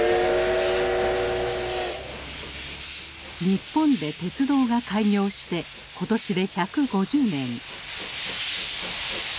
日本で鉄道が開業して今年で１５０年